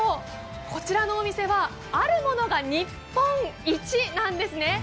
こちらのお店は、あるものが日本一なんですね。